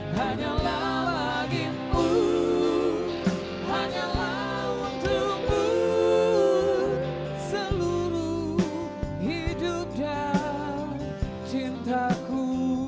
hanyalah lagiku hanyalah untukmu seluruh hidup dan cintaku